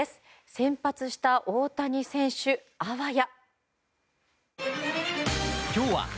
先発した大谷選手あわや。